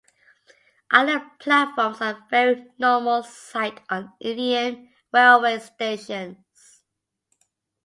Island platforms are a very normal sight on Indian railway stations.